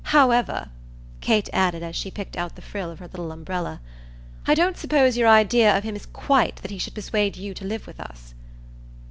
However," Kate added as she picked out the frill of her little umbrella, "I don't suppose your idea of him is QUITE that he should persuade you to live with us."